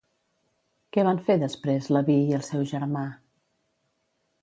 Què van fer després Leví i el seu germà?